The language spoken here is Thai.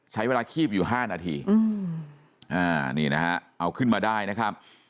ใช้เวลาคีบอยู่๕นาทีนี่นะฮะเอาขึ้นมาได้นะครับ